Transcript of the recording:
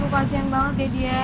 lu kasihan banget deh dia